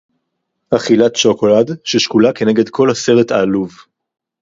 אֲכִילַת שׁוֹקוֹלָד, שֶׁשְּׁקוּלָה כְּנֶגֶד כֹּל הַסֶּרֶט הֶעָלוּב